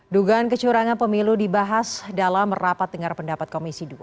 dugaan kecurangan pemilu dibahas dalam rapat dengar pendapat komisi dua